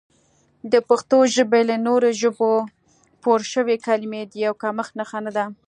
د پښتو ژبې له نورو ژبو پورشوي کلمې د یو کمښت نښه نه ده